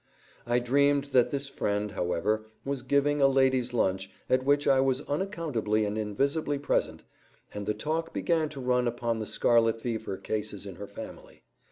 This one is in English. I dreamed that this friend, however, was giving a ladies' lunch, at which I was unaccountably and invisibly present, and the talk began to run upon the scarlet fever cases in her family.